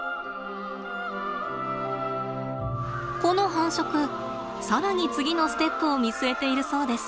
この繁殖更に次のステップを見据えているそうです。